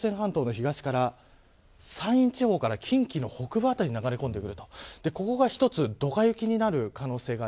これがちょうど朝鮮半島の東から山陰地方から近畿の北部辺りに流れ込んでくる。